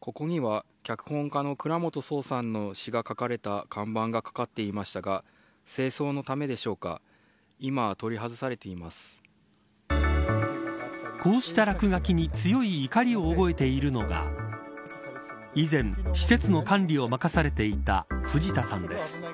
ここには、脚本家の倉本聰さんの詩が書かれた看板がかかっていましたが清掃のためでしょうかこうした落書きに強い怒りを覚えているのが以前、施設の管理を任されていた藤田さんです。